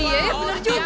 iya ya bener juga